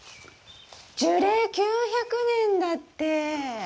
樹齢９００年だって。